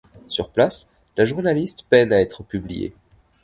Sur place, la journaliste peine à être publiée.